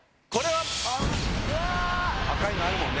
赤いのあるもんね。